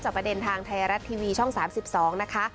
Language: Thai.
ประเด็นทางไทยรัฐทีวีช่อง๓๒นะคะ